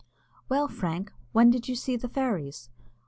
"Well, Frank, when did you see the fairies?"